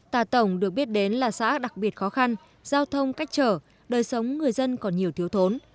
tà tổng được biết đến là xã đặc biệt khó khăn giao thông cách trở đời sống người dân còn nhiều thiếu thốn